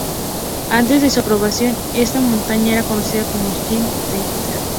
Antes de su aprobación, esta montaña era conocida como "Secchi Theta".